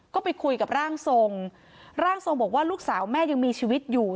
ก็ไปคุยกับร่างทรงร่างทรงบอกว่าลูกสาวแม่ยังมีชีวิตอยู่